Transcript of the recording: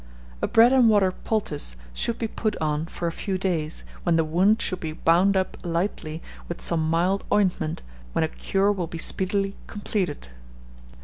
A bread and water poultice should be put on for a few days, when the wound should be bound up lightly with some mild ointment, when a cure will be speedily completed.